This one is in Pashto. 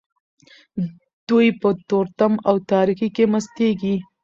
دوی په تورتم او تاریکۍ کې مستیږي.